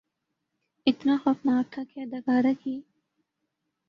اتنا خوفناک تھا کہ اداکارہ کی